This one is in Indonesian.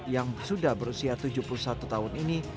yang sudah berusia tujuh puluh satu tahun ini